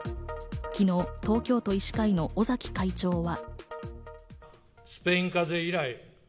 昨日、東京都医師会の尾崎会長は。